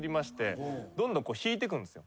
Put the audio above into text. どんどん引いてくんですよ。